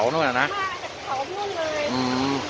ของนั่นน่ะนะของนั่นเลยอืม